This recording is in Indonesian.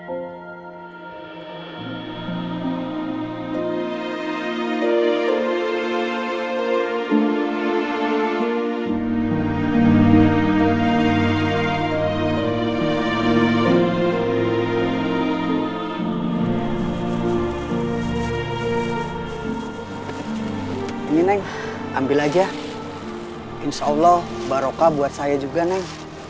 ini nay ambil aja insya allah barokah buat saya juga nay